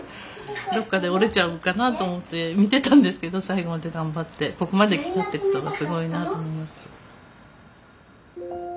どっかで折れちゃうんかなと思って見てたんですけど最後まで頑張ってここまで来たってことはすごいなと思います。